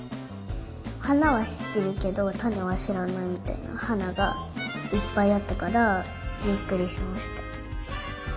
はなはしってるけどたねはしらないみたいなはながいっぱいあったからびっくりしました。